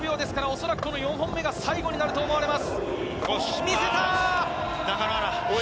おそらく４本目が最後になると思われます。